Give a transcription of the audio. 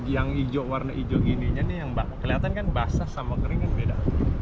yang warna hijau ini kelihatan kan basah sama kering kan beda